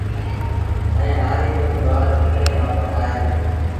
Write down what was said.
ائيٚݩ هآريٚ با گُوآر وڪڻي وآپس آئي دو